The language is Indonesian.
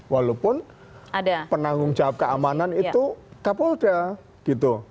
walaupun penanggung jawab keamanan itu kapolda gitu